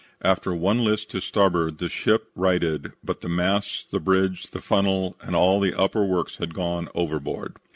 After one list to starboard the ship righted, but the masts, the bridge, the funnel and all the upper works had gone overboard.